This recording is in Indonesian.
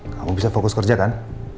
kamu bisa fokus kerja kan